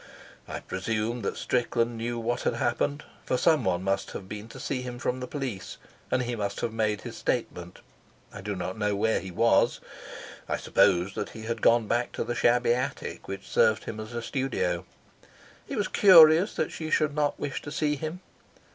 I presumed that Strickland knew what had happened, for someone must have been to see him from the police, and he must have made his statement. I did not know where he was. I supposed he had gone back to the shabby attic which served him as a studio. It was curious that she should not wish to see him.